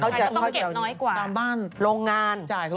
ตามบ้านมันน้อยกว่ารโรงแรม